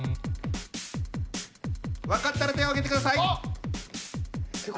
分かったら手を挙げてください。